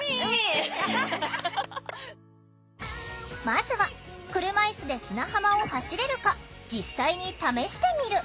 まずは車いすで砂浜を走れるか実際に試してみる。